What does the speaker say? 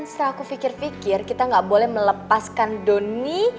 setelah aku pikir pikir kita gak boleh melepaskan donny